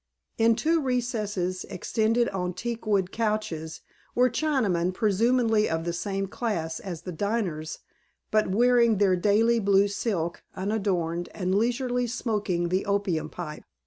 In two recesses, extended on teakwood couches, were Chinamen presumably of the same class as the diners, but wearing their daily blue silk unadorned and leisurely smoking the opium pipe.